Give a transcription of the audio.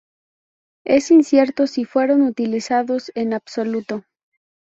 Es incierto si fueron utilizados en absoluto.